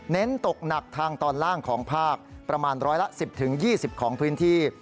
เน้นตกหนักทางตอนล่างของภาคประมาณร้อยละ๑๐๒๐ของพื้นที่